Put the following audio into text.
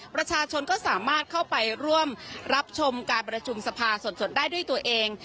ประชาชนก็สามารถเข้าไปร่วมรับชมการประชุมสภาสดได้ด้วยตัวเอง